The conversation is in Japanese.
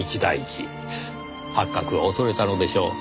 発覚を恐れたのでしょう。